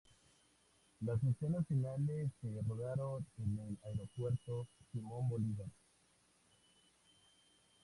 Las escenas finales se rodaron en el aeropuerto Simón Bolívar.